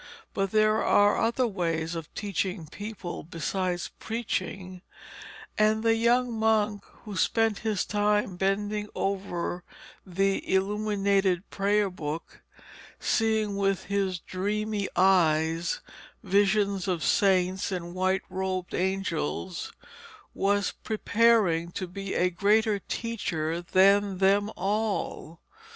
But there are other ways of teaching people besides preaching, and the young monk who spent his time bending over the illuminated prayer book, seeing with his dreamy eyes visions of saints and white robed angels, was preparing to be a greater teacher than them all.